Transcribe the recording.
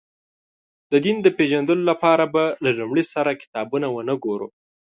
د دین د پېژندلو لپاره به له لومړي سره کتابونه ونه ګورو.